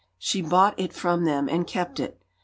She bought it from them and kept it.